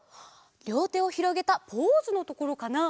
りょうてをひろげたポーズのところかな？